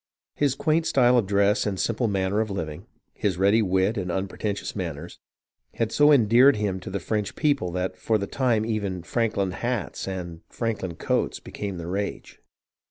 His quaint style of dress and simple manner of living, his ready wit and unpretentious manners, had so endeared him to the French people that for the time even "Franklin hats" and "Franklin coats" became the rage.